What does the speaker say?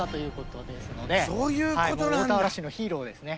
大田原市のヒーローですね。